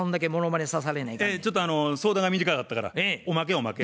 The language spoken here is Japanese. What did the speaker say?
ちょっと相談が短かったからおまけおまけ。